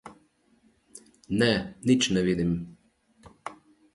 Ne, nič ne vidim.